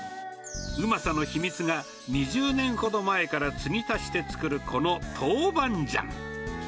うまさの秘密が、２０年ほど前から継ぎ足して作るこのトウバンジャン。